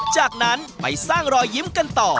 จากนั้นไปสร้างรอยยิ้มกันต่อ